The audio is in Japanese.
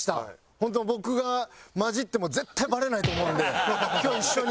本当僕が交じっても絶対バレないと思うんで今日一緒に。